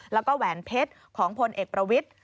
แล้วก็แหวนเพชรของพลเอกประวิทธิ์